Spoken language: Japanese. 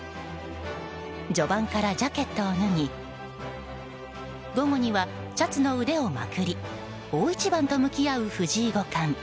序盤からジャケットを脱ぎ午後にはシャツの腕をまくり大一番と向き合う藤井五冠。